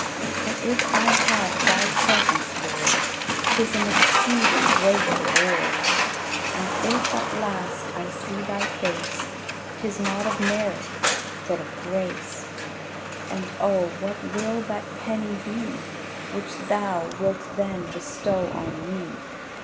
For if I have Thy presence, Lord, 'Tis an exceeding great reward; And if at last I see Thy face, 'Tis not of merit, but of grace. And, oh, what will that "penny" be Which Thou wilt then bestow on me?